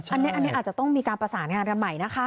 อันนี้อาจจะต้องมีการประสานงานกันใหม่นะคะ